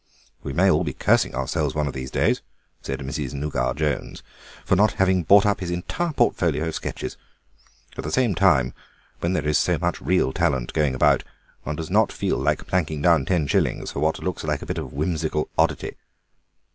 "We may all be cursing ourselves one of these days," said Mrs. Nougat Jones, "for not having bought up his entire portfolio of sketches. At the same time, when there is so much real talent going about, one does not feel like planking down ten shillings for what looks like a bit of whimsical oddity.